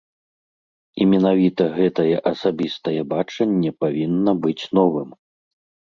І менавіта гэтае асабістае бачанне павінна быць новым!